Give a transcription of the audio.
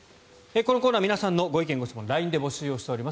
このコーナー皆さんのご意見・ご質問をＬＩＮＥで募集しております。